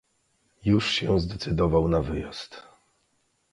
"Już się zdecydował na wyjazd."